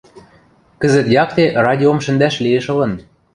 Кӹзӹт якте радиом шӹндӓш лиэш ылын